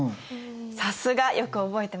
さすがよく覚えてましたね。